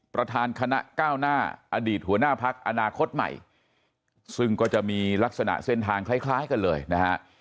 ประธานคณะก้าวหน้าอดีตหัวหน้าพักอนาคตใหม่ซึ่งก็จะมีลักษณะเส้นทางคล้ายกันเลยนะฮะ